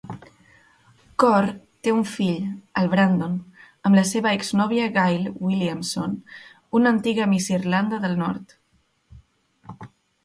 Corr té un fill, el Brandon, amb la seva exnòvia Gayle Williamson, una antiga Miss Irlanda del Nord.